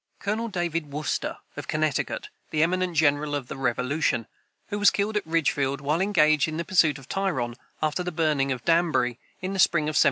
[Footnote 31: Colonel David Wooster, of Connecticut, the eminent general of the Revolution, who was killed at Ridgefield, while engaged in the pursuit of Tryon, after the burning of Danbury, in the spring of 1777.